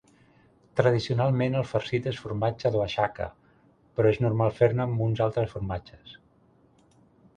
Tradicionalment el farcit és formatge d'Oaxaca però és normal fer-ne amb uns altres formatges.